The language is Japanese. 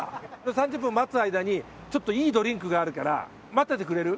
３０分待つ間にちょっといいドリンクがあるから待っててくれる？